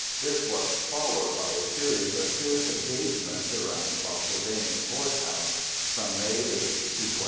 This was followed by a series of fierce engagements around Spotsylvania Court House from May 8 to 21.